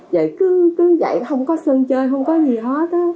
vậy cứ vậy không có sơn chơi không có gì hết á